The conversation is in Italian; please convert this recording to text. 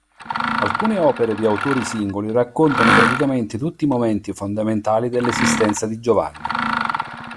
Alcune opere di autori singoli raccontano praticamente tutti i momenti fondamentali dell'esistenza di Giovanni.